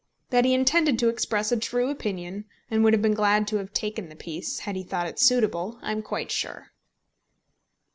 That he intended to express a true opinion, and would have been glad to have taken the piece had he thought it suitable, I am quite sure.